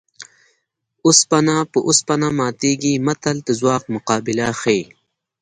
اوسپنه په اوسپنه ماتېږي متل د ځواک مقابله ښيي